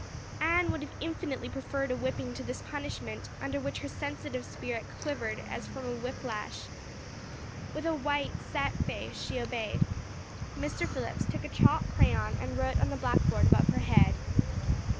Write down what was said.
Anne would have infinitely preferred a whipping to this punishment under which her sensitive spirit quivered as from a whiplash. With a white, set face she obeyed. Mr. Phillips took a chalk crayon and wrote on the blackboard above her head.